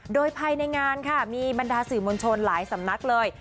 โดยภายในงานค่ะมีบรรดาสื่อมวลชนหลายสำนักเลย